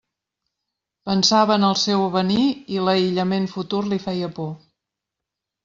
Pensava en el seu avenir, i l'aïllament futur li feia por.